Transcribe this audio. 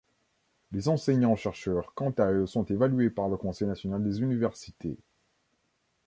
Les enseignants-chercheurs quant à eux sont évalués par le Conseil national des universités.